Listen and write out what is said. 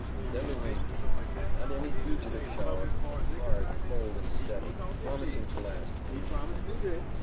Then the rain came, not any fugitive shower, but hard, cold and steady, promising to last many hours.